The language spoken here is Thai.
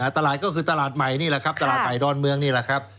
ตลาดก็คือตลาดใหม่นี่แหละครับตลาดใหม่ดอนเมืองนี่แหละครับ